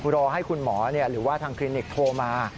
รอให้คุณหมอหรือว่าทางคลินิกโทรมา